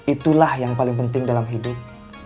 itulah yang paling penting dalam hidup